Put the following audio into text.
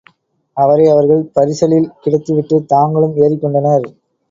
அவரை அவர்கள் பரிசலில் கிடத்திவிட்டுத் தாங்களும் ஏறிக் கொண்டனர்.